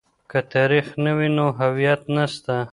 که تاريخ نه وي نو هويت نسته.